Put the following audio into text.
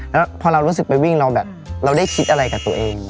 แล้วพอเรารู้สึกไปวิ่งเราแบบเราได้คิดอะไรกับตัวเอง